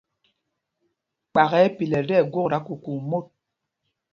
Kpak ɛ́ ɛ́ pilɛl tí ɛgwokta kukuu mot.